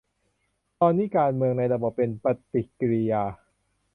ตอนนี้การเมืองในระบบเป็น 'ปฏิกิริยา'